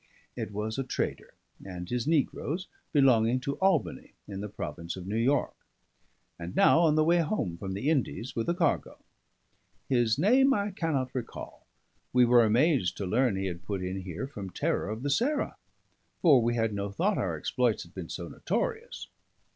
It was a trader and his negroes, belonging to Albany, in the province of New York, and now on the way home from the Indies with a cargo; his name I cannot recall. We were amazed to learn he had put in here from terror of the Sarah; for we had no thought our exploits had been so notorious.